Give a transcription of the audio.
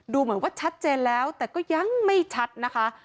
ดูเหมือนว่าชัดเจนแล้วแต่ก็ยังไม่ชัดนะคะ